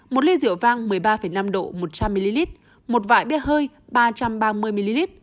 một ly rượu vang một mươi ba năm độ một trăm linh ml một vải bia hơi ba trăm ba mươi ml